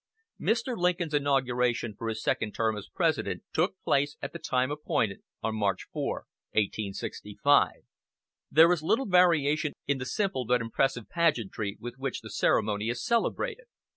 Mr. Lincoln's inauguration for his second term as President took place at the time appointed, on March 4, 1865. There is little variation in the simple but impressive pageantry with which the ceremony is celebrated.